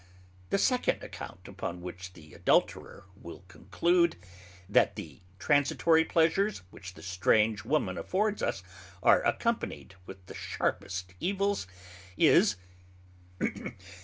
The second account upon which the Adulterer will conclude, That the transitory pleasures which the strange woman affords us are accompanied with the sharpest evils, is, 2.